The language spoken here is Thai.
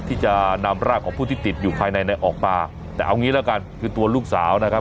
ที่จะนำร่างของผู้ที่ติดอยู่ภายในเนี่ยออกมาแต่เอางี้แล้วกันคือตัวลูกสาวนะครับ